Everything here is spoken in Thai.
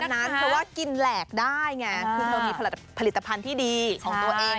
เพราะว่ากินแหลกได้ไงคือเรามีผลิตภัณฑ์ที่ดีของตัวเอง